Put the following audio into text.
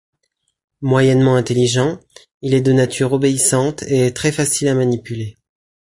Moyennement intelligent, il est de nature obéissante et est très facile à manipuler.